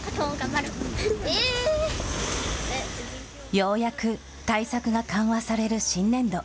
ようやく対策が緩和される新年度。